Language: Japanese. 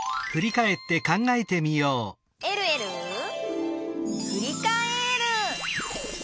「えるえるふりかえる」